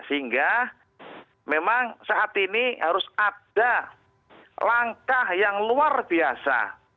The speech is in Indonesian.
sehingga memang saat ini harus ada langkah yang luar biasa